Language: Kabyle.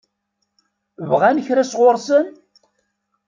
Bɣan kra sɣur-sen?